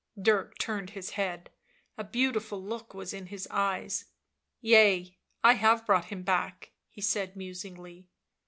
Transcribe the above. Dirk turned his head; a beautiful look was in his eyes. " Yea, I have brought him back," he said musingly.